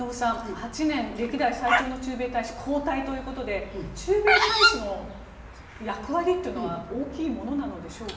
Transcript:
８年、歴代最長の駐米大使交代ということで駐米大使の役割というのは大きいものなのでしょうか。